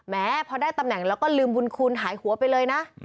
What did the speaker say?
แม้พอได้ตำแหน่งแล้วก็ลืมบุญคุณหายหัวไปเลยนะ